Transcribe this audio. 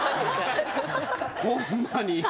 ホンマに。